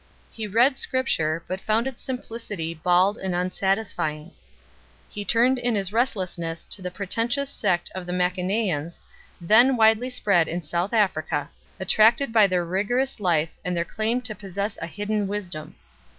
He read Scripture, but found its simplicity bald and unsatisfying 4 . He turned in his rest lessness to the pretentious sect of the ManichaBans 5 , then widely spread in South Africa, attracted by their rigorous life and their claim to possess a hidden wisdom.